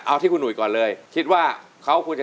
เอาที่คุณหุยก่อนเลยคิดว่าเขาควรจะ